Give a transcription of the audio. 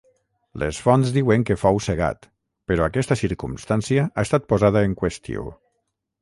Les fonts diuen que fou cegat però aquesta circumstància ha estat posada en qüestió.